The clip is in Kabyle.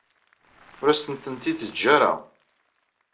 Ur asen-tent-id-teǧǧiḍ ara.